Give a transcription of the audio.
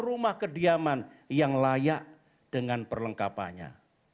rumah kediaman yang layak dengan perlengkapannya